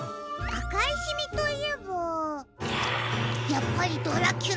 あかいシミといえばやっぱりドラキュラだ！